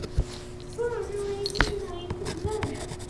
丰荣市是位于新舄县的一个已不存在的市。